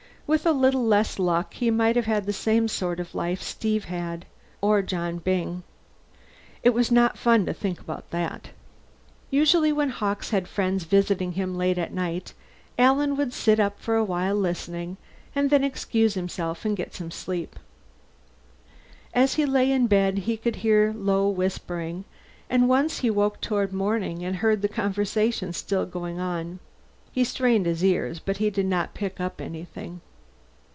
With a little less luck he might have had the same sort of life Steve had had ... or John Byng. It was not fun to think about that. Usually when Hawkes had friends visiting him late at night, Alan would sit up for a while listening, and then excuse himself and get some sleep. As he lay in bed he could hear low whispering, and once he woke toward morning and heard the conversation still going on. He strained his ears, but did not pick up anything.